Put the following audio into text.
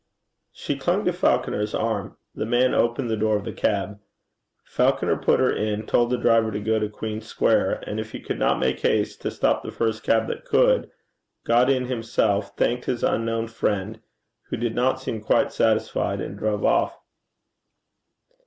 She clung to Falconer's arm. The man opened the door of the cab. Falconer put her in, told the driver to go to Queen Square, and if he could not make haste, to stop the first cab that could, got in himself, thanked his unknown friend, who did not seem quite satisfied, and drove off.